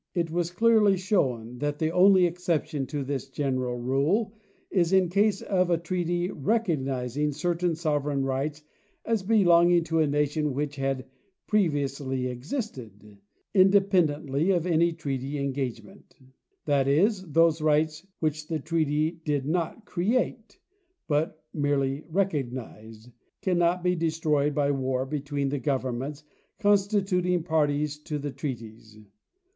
It was clearly shown that the only exception to this general rule is in case of a treaty recognizing certain sovereign rights as be longing to a nation which had previously existed, independently of any treaty engagement; that is, those rights which the treaty did not create, but merely recognized, cannot be destroyed by war between the governments constituting parties to the treaties.